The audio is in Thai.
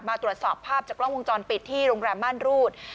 ตรวจสอบภาพจากกล้องวงจรปิดที่โรงแรมม่านรูด